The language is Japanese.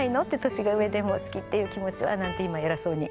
年が上でも好きっていう気持ちは」なんて今偉そうに。